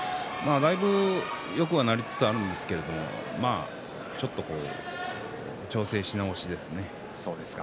だいぶよくなりつつあるんですけれどちょっと調整し直しですね。